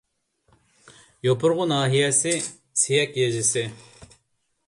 يوپۇرغا ناھىيەسى سىيەك يېزىسى